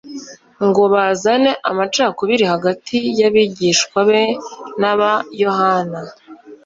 ngo bazane amacakubiri hagati y'abigishwa be n'aba Yohana.